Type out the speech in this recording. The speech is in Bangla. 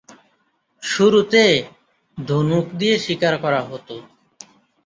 শুরুতে ধনুক দিয়ে শিকার করা হতো।